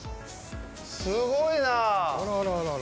すごいなあ。